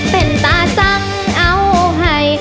เป็นตาจังเอาให้